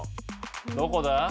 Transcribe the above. どこだ？